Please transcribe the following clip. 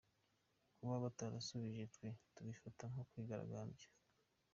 Kuba batarasubije twe tubifata nko kwigaragambya.